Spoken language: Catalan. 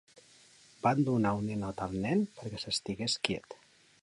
Van donar un ninot al nen perquè s'estigués quiet.